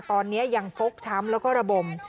ตอนนี้ยังฟกช้ำแล้วก็ระบม